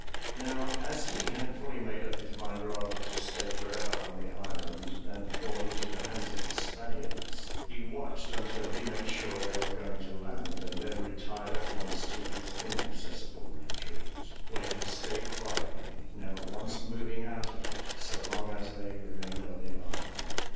Now as he had fully made up his mind rather to stay forever on the island than fall into the hands of the Spaniards, he watched until he made sure they were going to land, and then retired at once to his inaccessible retreat, where he stayed quietly, never once moving out of it so long as they remained on the island.